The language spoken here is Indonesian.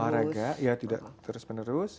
olahraga tidak terus menerus